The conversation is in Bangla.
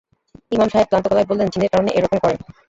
ইমাম সাহেব ক্লান্ত গলায় বললেন, জিনের কারণে এ-রকম করে।